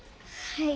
はい。